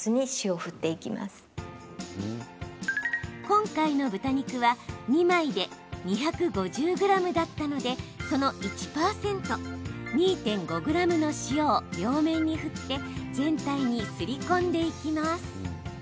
今回の豚肉は２枚で２５０ｇだったので、その１％２．５ｇの塩を両面に振って全体にすり込んでいきます。